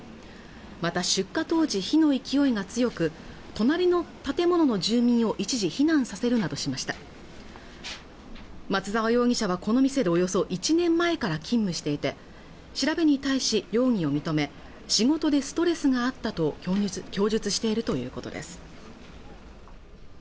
また出火当時火の勢いが強く隣の建物の住民を一時避難させるなどしました松沢容疑者はこの店でおよそ１年前から勤務していて調べに対し容疑を認め仕事でストレスがあったと供述しているということです